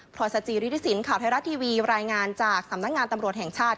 รอยสจิริฐศิลป์ข่าวไทยรัฐทีวีรายงานจากสำนักงานตำรวจแห่งชาติ